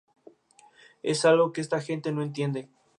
Es algo que esta gente no entiende.